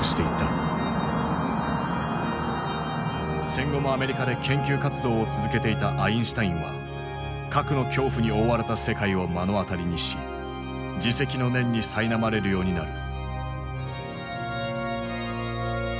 戦後もアメリカで研究活動を続けていたアインシュタインは核の恐怖に覆われた世界を目の当たりにし自責の念にさいなまれるようになる。